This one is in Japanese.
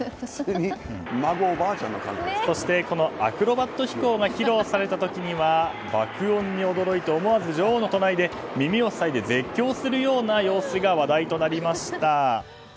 そして、アクロバット飛行が披露された時には爆音に驚いて思わず女王の隣で耳を塞いで絶叫するような様子が話題となりました。